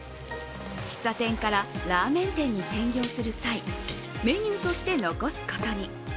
喫茶店からラーメン店に転業する際メニューとして残すことに。